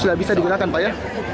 sudah bisa digunakan pak ya